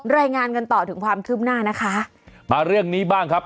รายงานกันต่อถึงความคืบหน้านะคะมาเรื่องนี้บ้างครับ